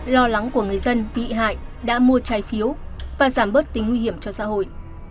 lo lắng của người dân bị hại đã mua trái phiếu và giảm bớt tính nguy hiểm cho xã hội